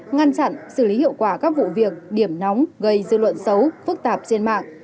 ngăn chặn xử lý hiệu quả các vụ việc điểm nóng gây dư luận xấu phức tạp trên mạng